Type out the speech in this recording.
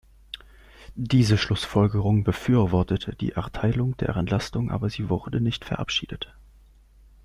Diese Schlussfolgerung befürwortete die Erteilung der Entlastung, aber sie wurde nicht verabschiedet.